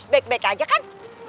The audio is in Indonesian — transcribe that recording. baik baik aja kan